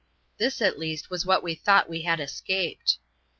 This, at least, was what we thought we had escaped.